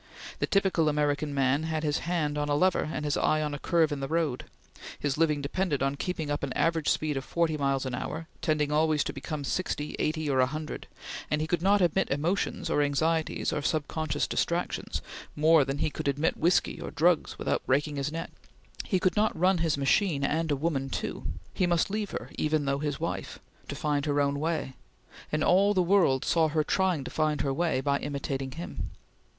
The typical American man had his hand on a lever and his eye on a curve in his road; his living depended on keeping up an average speed of forty miles an hour, tending always to become sixty, eighty, or a hundred, and he could not admit emotions or anxieties or subconscious distractions, more than he could admit whiskey or drugs, without breaking his neck. He could not run his machine and a woman too; he must leave her; even though his wife, to find her own way, and all the world saw her trying to find her way by imitating him.